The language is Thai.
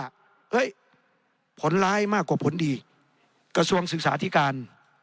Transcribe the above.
เฮ้ยผลร้ายมากกว่าผลดีกระทรวงศึกษาธิการ